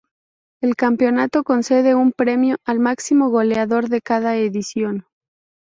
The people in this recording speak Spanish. El campeonato concede un premio al máximo goleador de cada edición.